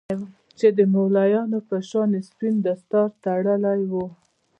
چې د مولويانو په شان يې سپين دستار تړلى و.